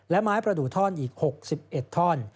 และไม้ประดูกท่อนอีก๖๑ท่อน